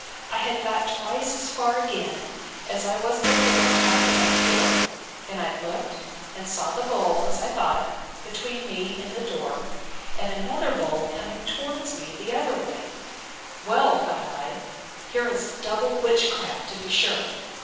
I had got twice as far again, as I was before, out of the back door: and I looked and saw the bull, as I thought, between me and the door; and another bull coming towards me the other way: Well, thought I, here is double witchcraft, to be sure!